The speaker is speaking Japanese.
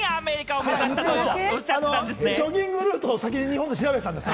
ジョギングルートを先に日本で調べてたんですよ。